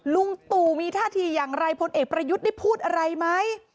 ลุงตู่มีท่าทีอย่างไรพลเอกประยุทธ์ได้พูดอะไรไหม